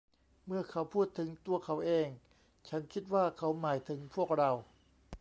เมื่อเขาพูดถึงตัวเขาเอง ฉันคิดว่าเขาหมายถึงพวกเรา